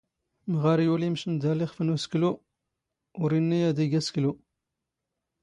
ⵎⵖⴰⵔ ⵢⵓⵍⵉ ⵎⵛⵏⵏⴷ ⴰⵍⵍ ⵉⵖⴼ ⵏ ⵓⵙⴽⵍⵓ, ⵓⵔ ⵉⵏⵏⵉ ⴰⴷ ⵉⴳ ⴰⵙⴽⵍⵓ